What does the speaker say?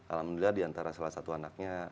alhamdulillah diantara salah satu anaknya